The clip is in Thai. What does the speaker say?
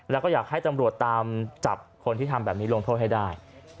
แล้วก็อยากให้ตำรวจตามจับคนที่ทำแบบนี้ลงโทษให้ได้